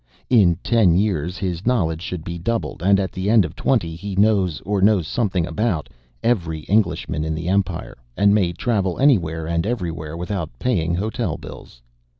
In ten years his knowledge should be doubled, and at the end of twenty he knows, or knows something about, every Englishman in the Empire, and may travel anywhere and everywhere without paying hotel bills.